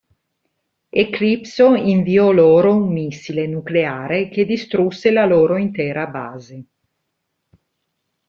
Eclipso inviò loro un missile nucleare che distrusse la loro intera base.